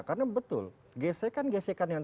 karena betul gesekan gesekan yang